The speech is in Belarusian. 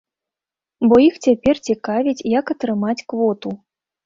Бо іх цяпер цікавіць, як атрымаць квоту.